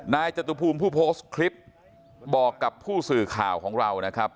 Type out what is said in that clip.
จตุภูมิผู้โพสต์คลิปบอกกับผู้สื่อข่าวของเรานะครับ